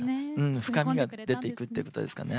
深みが出てくるってことですかね。